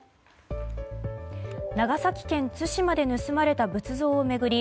長崎県対馬で盗まれた仏像を巡り